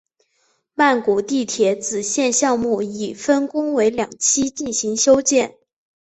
曼谷地铁紫线项目已分工为两期进行修建。